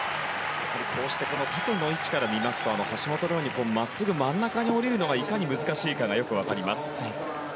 縦の位置から見ますと橋本のように真っすぐ真ん中に下りるのがいかに難しいかがよく分かります。